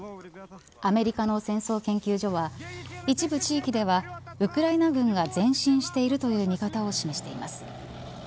アメリカの戦争研究所は一部地域ではウクライナ軍が前進しているという見方を示しています。